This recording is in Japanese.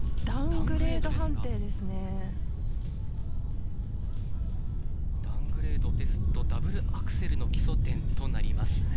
ダウングレードですとダブルアクセルの基礎点となります。